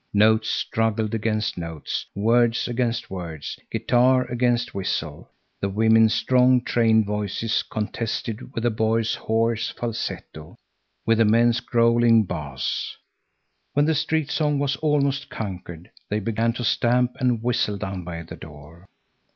Notes struggled against notes, words against words, guitar against whistle. The women's strong, trained voices contested with the boys' hoarse falsetto, with the men's growling bass. When the street song was almost conquered, they began to stamp and whistle down by the door.